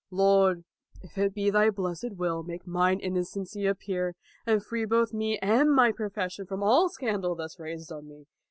Lord, if it be thy blessed will, make mine innocency appear, and free both me and my pro fession from all scandal thus raised on me.